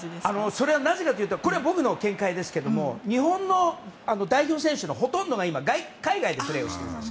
それはなぜかというとこれは僕の見解ですけど日本の代表選手のほとんどが海外でプレーをしています。